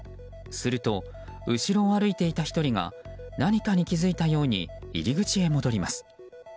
すると、後ろを歩いていた１人が何かに気づいたように入り口へ戻ります。